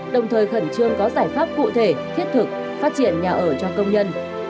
đồng thời khẩn trương có giải pháp cụ thể thiết thực phát triển nhà ở cho công nhân